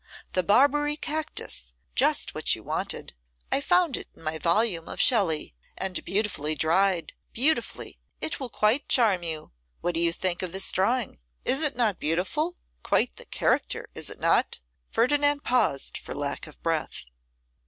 The Barbary cactus, just what you wanted; I found it in my volume of Shelley; and beautifully dried, beautifully; it will quite charm you. What do you think of this drawing? Is it not beautiful? quite the character, is it not?' Ferdinand paused for lack of breath.